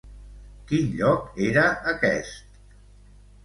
Quin lloc era aquest?